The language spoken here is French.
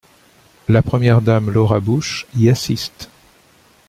La Première dame Laura Bush y assiste.